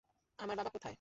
আমার বাবা কোথায়?